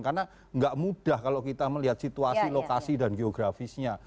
karena nggak mudah kalau kita melihat situasi lokasi dan geografisnya